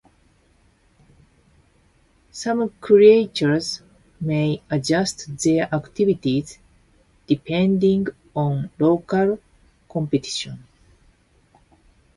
Some creatures may adjust their activities depending on local competition.